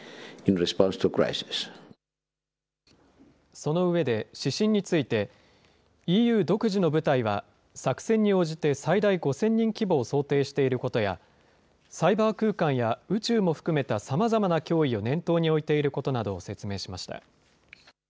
その上で、指針についてＥＵ独自の部隊は、作戦に応じて最大５０００人規模を想定していることや、サイバー空間や宇宙も含めたさまざまな脅威を念頭に置いていることなどを説明しました。